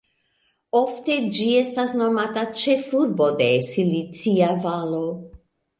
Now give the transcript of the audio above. Ofte ĝi estas nomata "ĉefurbo de Silicia Valo.